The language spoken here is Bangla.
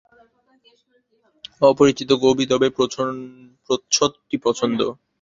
অপরিচিত কবি, তবে প্রচ্ছদটি সুন্দর।